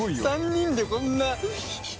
３人でこんな。